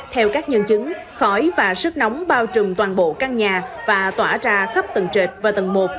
theo các nhân chứng khói và sức nóng bao trùm toàn bộ căn nhà và tỏa ra khắp tầng trệt và tầng một